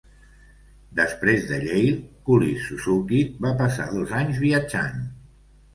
Després de Yale, Cullis-Suzuki va passar dos anys viatjant.